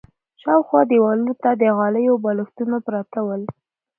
شاوخوا دېوالونو ته د غالیو بالښتونه پراته ول.